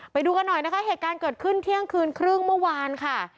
ไปดูกันหน่อยนะคะเหตุการณ์เกิดขึ้นเที่ยงคืนครึ่งเมื่อวานค่ะ